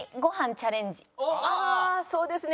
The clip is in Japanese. ああそうですね。